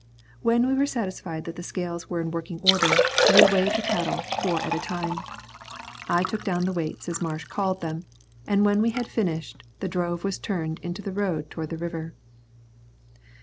When we were satisfied that the scales were in working order, we weighed the cattle four at a time. I took down the weights as Marsh called them, and when we had finished, the drove was turned into the road toward the river.